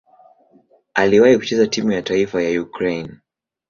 Aliwahi kucheza timu ya taifa ya Ukraine.